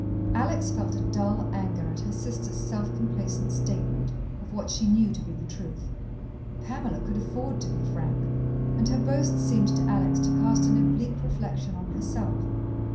Alex felt a dull anger at her sister's self complacent statement of what she knew to be the truth. Pamela could afford to be frank, and her boast seemed to Alex to cast an oblique reflection on herself.